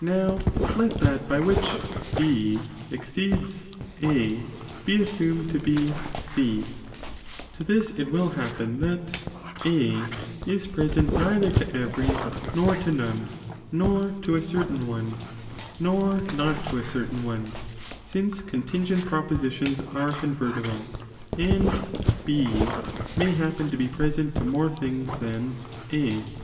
Now let that by which B exceeds A, be assumed to be C, to this it will happen'' that A is present Dcither to every, nor to none, nor to a certain one, nor not to 1 certain one, since contingent propositions are convertible, and B may happen to be present to more things than A.